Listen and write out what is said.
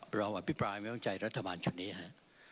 ครับเราอุปราณ์มันไม่ว่าใช่รัฐบาลเท่านี้ครับ